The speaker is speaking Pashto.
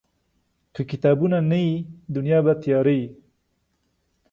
که کتابونه نه وي، دنیا به تیاره وي.